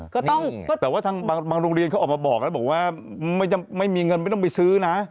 แต่ว่าทางบางโรงเรียนเขาออกมาบอกแล้วบอกว่าไม่มีเงินไม่ต้องไปซื้อนะ